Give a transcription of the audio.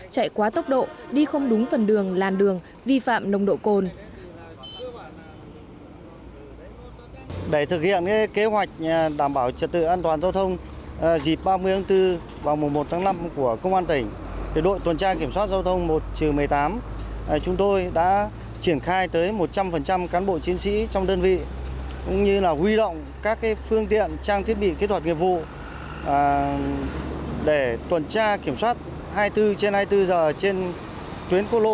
chạy quá tốc độ đi không đúng phần đường làn đường vi phạm nông độ cồn